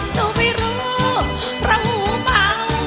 หนูไม่รู้เพราะหูเมา